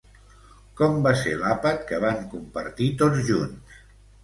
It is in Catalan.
Com va ser l'àpat que van compartir tots junts?